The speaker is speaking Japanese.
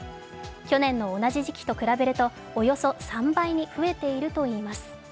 去年の同じ時期と比べるとおよそ３倍に増えているといいます。